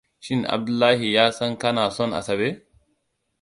Shin Abdullahi ya san kana son Asabe?